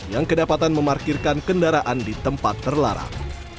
yang kedapatan memarkirkan kendaraan di tempat terlarang